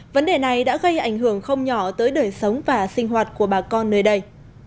vấn đề này đã gây ảnh hưởng không nhỏ tới đời sống và sinh hoạt của bà con nơi đây